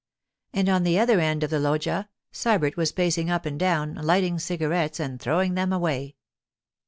And on the other end of the loggia Sybert was pacing up and down, lighting cigarettes and throwing them away.